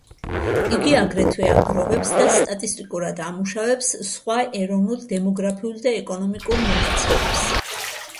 იგი აგრეთვე აგროვებს და სტატისტიკურად ამუშავებს სხვა ეროვნულ დემოგრაფიულ და ეკონომიკურ მონაცემებს.